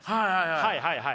はいはいはい。